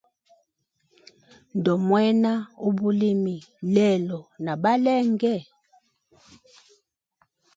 Ndomwena ubulimi lelo na balenge?